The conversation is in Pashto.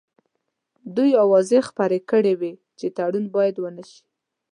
دوی اوازې خپرې کړې وې چې تړون باید ونه شي.